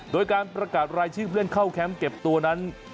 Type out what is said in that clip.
โดยการประกาศรายชื่อเพื่อนเข้าแคมป์เก็บตัวนั้น